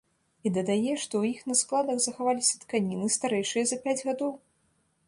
І дадае, што ў іх на складах захаваліся тканіны, старэйшыя за пяць гадоў!